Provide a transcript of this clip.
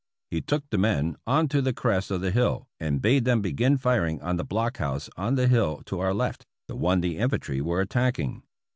He took the men on to the crest of the hill and bade them begin firing on the blockhouse on the hill to our left, the one the infantry were attacking.